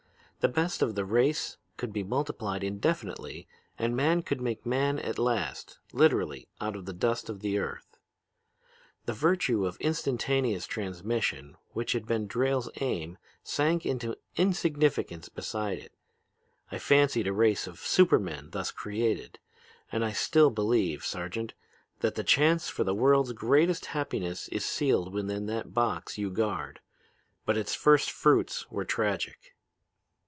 The best of the race could be multiplied indefinitely and man could make man at last, literally out of the dust of the earth. The virtue of instantaneous transmission which had been Drayle's aim sank into insignificance beside it. I fancied a race of supermen thus created. And I still believe, Sergeant, that the chance for the world's greatest happiness is sealed within that box you guard. But its first fruits were tragic."